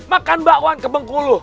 makan bakwan kebengkulu